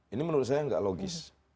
ini menurut saya nggak logis